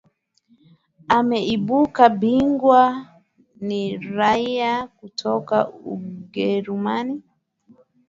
ameibuka bingwa ni raia kutoka ugerumani